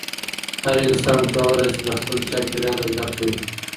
هر انسان کولی شي له خپل چاپېریاله زده کړه وکړي.